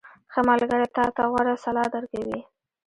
• ښه ملګری تا ته غوره سلا درکوي.